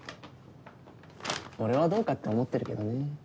俺はどうかって思ってるけどね。